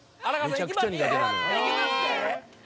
「めちゃくちゃ苦手なのよ」